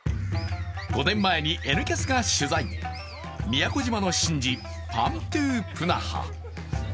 ５年前に「Ｎキャス」が取材、宮古島の神事、パーントゥ・プナハ。